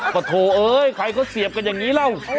ก็โทรเอ้ยใครเขาเสียบกันอย่างนี้แล้ว